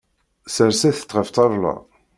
Serset-t ɣef ṭṭabla.